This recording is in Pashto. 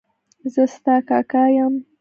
زه ستا کاکا یم.